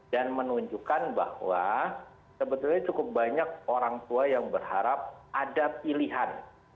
dan menunjukkan bahwa sebetulnya cukup banyak orang tua yang berharap ada pilihan